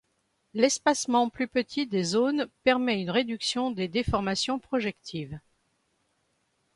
L'espacement plus petit des zones permet une réduction des déformations projectives.